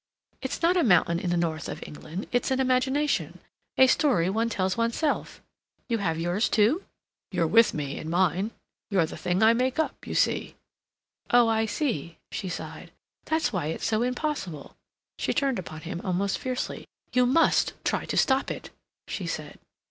"It's not a mountain in the North of England. It's an imagination—a story one tells oneself. You have yours too?" "You're with me in mine. You're the thing I make up, you see." "Oh, I see," she sighed. "That's why it's so impossible." She turned upon him almost fiercely. "You must try to stop it," she said.